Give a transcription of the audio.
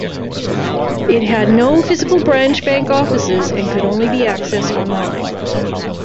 It had no physical branch bank offices and could only be accessed online.